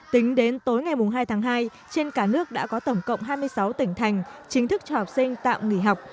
tính đến tối ngày hai tháng hai trên cả nước đã có tổng cộng hai mươi sáu tỉnh thành chính thức cho học sinh tạm nghỉ học